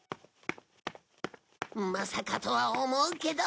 まさかとは思うけど。